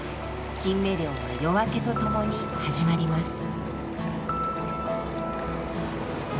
キンメ漁は夜明けとともに始まります。